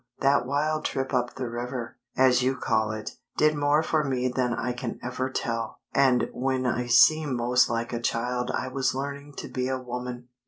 That wild trip up the river, as you call it, did more for me than I can ever tell, and when I seemed most like a child I was learning to be a woman."